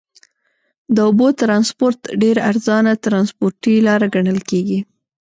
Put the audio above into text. د اوبو ترانسپورت ډېر ارزانه ترنسپورټي لاره ګڼل کیږي.